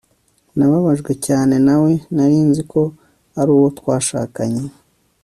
Nababajwe cyane na we Nari nzi ko ari uwo twashakanye